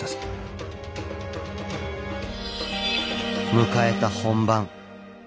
迎えた本番。